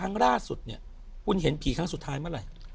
ครั้งล่าสุดเนี่ยคุณเห็นผีครั้งสุดท้ายเมื่อไหร่